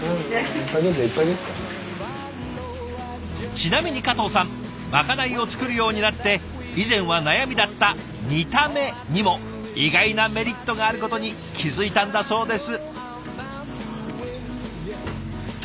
ちなみに加藤さんまかないを作るようになって以前は悩みだった「見た目」にも意外なメリットがあることに気付いたんだそうです。